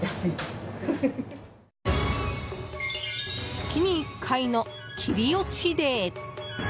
月に１回の切り落ちデー！